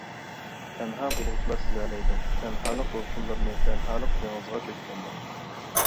تەنھا بولغۇچىلا سېزەلەيدۇ تەنھالىق دولقۇنلىرىنى تەنھالىق دېڭىزىغا چۆككەندە.